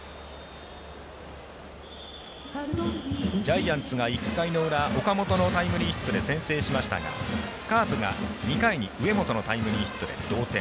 ジャイアンツが１回の裏岡本のタイムリーヒットで先制しましたが、カープが２回に上本のタイムリーヒットで同点。